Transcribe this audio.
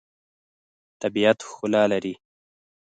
طبیعت ښکلا لري.